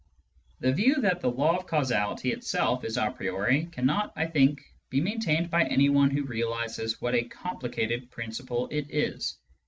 The view that the law of causality itself is a priori cannot, I think, be maintained by anyone who realises what a complicated principle it is.